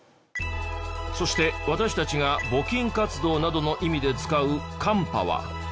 そして私たちが「募金活動」などの意味で使う「カンパ」は。